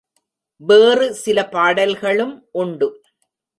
வேறு சில பாடல்களும் உண்டு.